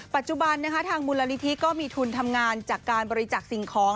ปัจจุบันนะคะทางมูลนิธิก็มีทุนทำงานจากการบริจักษ์สิ่งของ